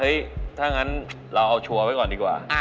ถ้างั้นเราเอาชัวร์ไว้ก่อนดีกว่า